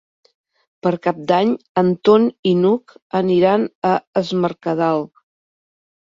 Per Cap d'Any en Ton i n'Hug aniran a Es Mercadal.